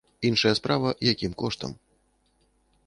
Іншая справа, якім коштам.